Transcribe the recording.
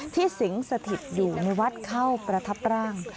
สิงสถิตอยู่ในวัดเข้าประทับร่าง